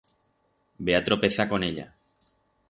Ve a tropezar con ella.